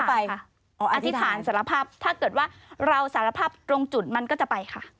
อธิษฐานสารภาพถ้าเกิดว่าเราสารภาพตรงจุดมันก็จะไปค่ะ